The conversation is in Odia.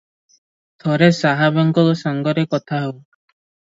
ଥରେ ସାହେବଙ୍କ ସଙ୍ଗରେ କଥାହେଉ ।